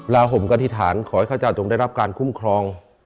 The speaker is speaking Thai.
ราหมกฏิฐานขอให้ข้าจาจงได้รับการคุ้มคลอง